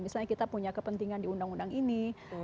misalnya kita punya kepentingan di undang undang ini